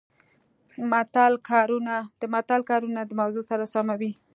د متل کارونه د موضوع سره سمه وي